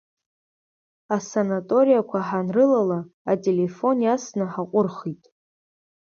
Асанаториақәа ҳанрылала, ателефон иасны, ҳаҟәырхит.